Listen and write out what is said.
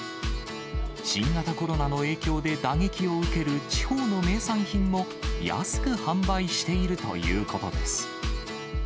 新型コロナの影響で打撃を受ける地方の名産品も、安く販売しているということです。